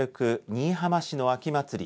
新居浜市の秋祭り